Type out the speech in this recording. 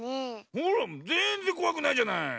ほらぜんぜんこわくないじゃない。